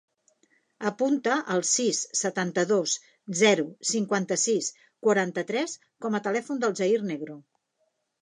Apunta el sis, setanta-dos, zero, cinquanta-sis, quaranta-tres com a telèfon del Jair Negro.